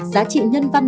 giá trị nhân văn